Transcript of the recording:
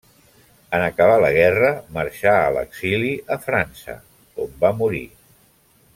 En acabar la guerra marxà a l'exili a França, on va morir.